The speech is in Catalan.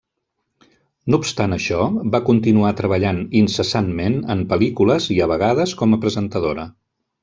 No obstant això, va continuar treballant incessantment en pel·lícules i, a vegades, com a presentadora.